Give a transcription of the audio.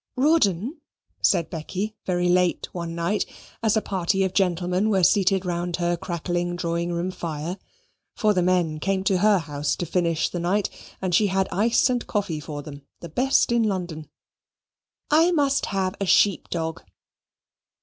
"Rawdon," said Becky, very late one night, as a party of gentlemen were seated round her crackling drawing room fire (for the men came to her house to finish the night; and she had ice and coffee for them, the best in London): "I must have a sheep dog."